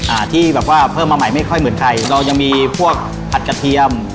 อ่าที่แบบว่าเพิ่มมาใหม่ไม่ค่อยเหมือนใครเรายังมีพวกผัดกระเทียม